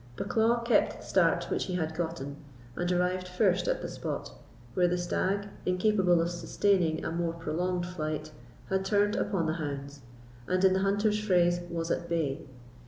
Bucklaw kept the start which he had gotten, and arrived first at the spot, where the stag, incapable of sustaining a more prolonged flight, had turned upon the hounds, and, in the hunter's phrase, was at bay.